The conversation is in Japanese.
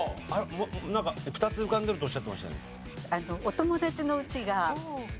なんか２つ浮かんでるっておっしゃってましたよね？